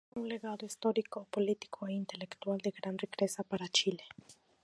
Deja un legado histórico, político e intelectual de gran riqueza para Chile.